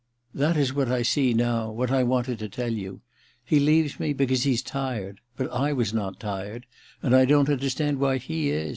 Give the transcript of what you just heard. * That is what I see now ... what I wanted to tell you. He leaves me because he's tired ... but / was not tired ; and I don't understand why he is.